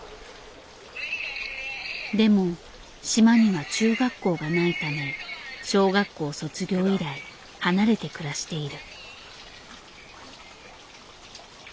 でも島には中学校がないため小学校卒業以来離れて暮らしている。